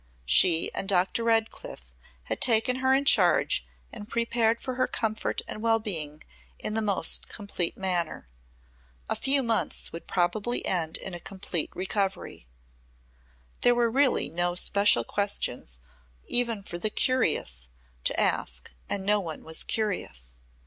She and Dr. Redcliff had taken her in charge and prepared for her comfort and well being in the most complete manner. A few months would probably end in a complete recovery. There were really no special questions even for the curious to ask and no one was curious.